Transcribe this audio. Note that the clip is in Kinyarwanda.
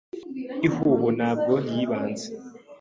Ihuho ntabwo yibanze